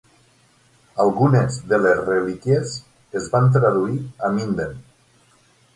Algunes de les relíquies es van traduir a Minden.